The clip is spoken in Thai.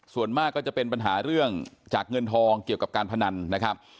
ส่วนมากก็จะเป็นปัญหาเรื่องจากเงินทองเกี่ยวกับการพนันนะครับ